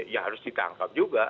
ya harus ditangkap juga